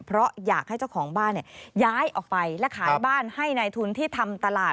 เพราะอยากให้เจ้าของบ้านย้ายออกไปและขายบ้านให้ในทุนที่ทำตลาด